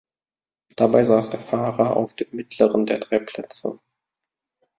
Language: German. Dabei saß der Fahrer auf dem mittleren der drei Plätze.